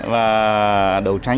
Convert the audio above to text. và đầu tranh